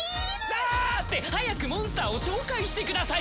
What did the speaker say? ぐわって早くモンスターを紹介してください！